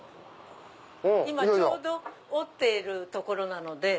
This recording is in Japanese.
今ちょうど織ってるとこなので。